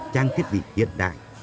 trang thiết bị hiện đại